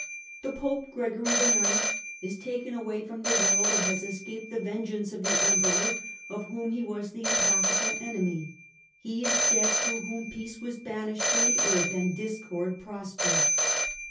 " The Pope Gregory the Ninth is taken away from the world and has escaped the vengeance of the Emperor, of whom he was the implacable enemy. He is dead through whom peace was banished from the earth and discord prospered.